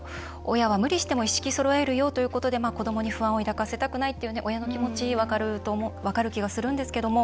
親は無理しても一式そろえるよということで子どもに不安を抱かせたくないという親の気持ちは分かる気がするんですけども。